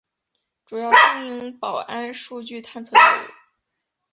主要经营保安数据探测业务。